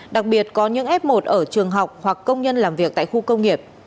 đặc biệt có những f một ở trường học hoặc công nhân làm việc tại khu công nghiệp